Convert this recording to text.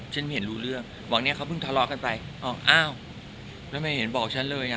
ฉันเห็นรู้เรื่องบอกเนี่ยเขาเพิ่งทะเลาะกันไปอ้าวอ้าวแล้วไม่เห็นบอกฉันเลยอ่ะ